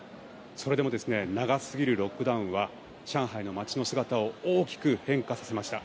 それでも長すぎるロックダウンは上海の街の姿を大きく変化させました。